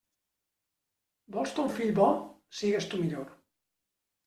Vols ton fill bo? Sigues tu millor.